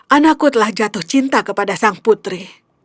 anakku telah jatuh cinta kepada sang putri